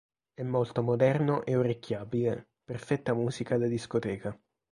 È molto moderno e orecchiabile; perfetta musica da discoteca.